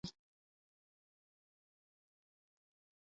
بیرته هېرول بد دی.